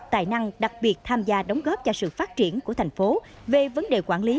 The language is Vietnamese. tài năng đặc biệt tham gia đóng góp cho sự phát triển của thành phố về vấn đề quản lý